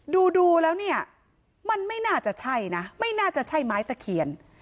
ดูแล้วเนี่ยมันไม่น่าจะใช่นะไม่น่าจะใช่ไม้ตะเคียน